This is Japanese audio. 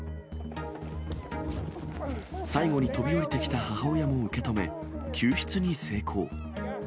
最後に飛び降りてきた母親も受け止め、救出に成功。